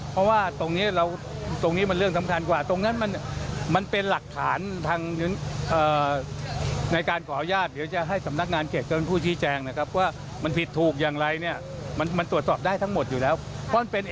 ผ่านสวดออกมาพอมาดูแล้วนะดินมันออน